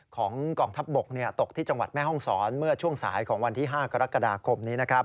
ของกองทัพบกตกที่จังหวัดแม่ห้องศรเมื่อช่วงสายของวันที่๕กรกฎาคมนี้